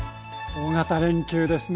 大型連休ですね。